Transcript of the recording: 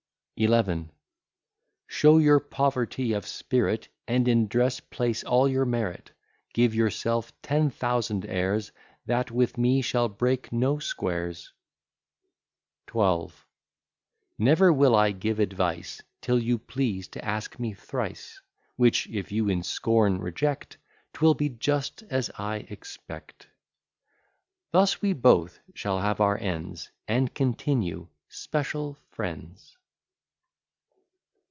XI Show your poverty of spirit, And in dress place all your merit; Give yourself ten thousand airs: That with me shall break no squares. XII Never will I give advice, Till you please to ask me thrice: Which if you in scorn reject, 'Twill be just as I expect. Thus we both shall have our ends, And continue special friends.